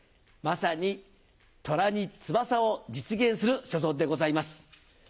まさに虎に翼を実現する所存でございます。